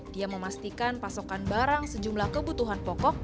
dia memastikan pasokan barang sejumlah kebutuhan pokok